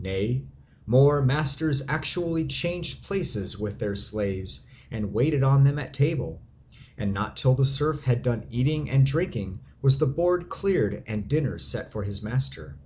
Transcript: Nay, more, masters actually changed places with their slaves and waited on them at table; and not till the serf had done eating and drinking was the board cleared and dinner set for his master.